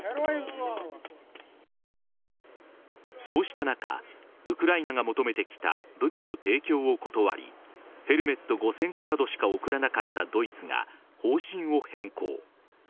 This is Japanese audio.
そうした中ウクライナが求めてきた武器の提供を断りヘルメット５０００個などしか送らなかったドイツが方針を変更。